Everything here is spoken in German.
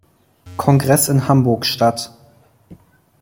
Kongress in Hamburg statt.